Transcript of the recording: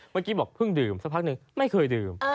เมื่อกี้บอกเพิ่งดื่มสักพักหนึ่งไม่เคยดื่ม